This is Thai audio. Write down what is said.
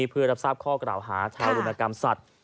เพื่อรับทราบข้อกล่าวหาทารุณกรรมสัตว์